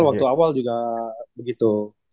waktu awal juga begitu